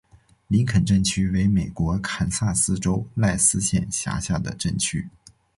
林肯镇区为美国堪萨斯州赖斯县辖下的镇区。